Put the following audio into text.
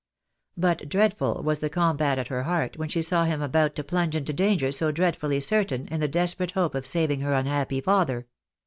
But dreadful was the combat at her heart when she saw him about to plunge into danger so dreadfully certain, in the desperate hope of saving her unhappy father.